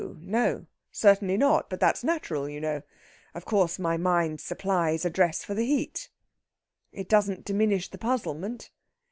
No, certainly not. But that's natural, you know. Of course, my mind supplies a dress for the heat." "It doesn't diminish the puzzlement."